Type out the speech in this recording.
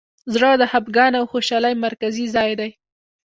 زړه د خفګان او خوشحالۍ مرکزي ځای دی.